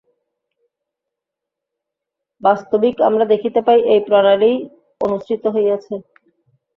বাস্তবিক আমরা দেখিতে পাই, এই প্রণালীই অনুসৃত হইয়াছে।